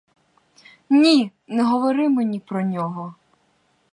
Ні, не говори мені про нього!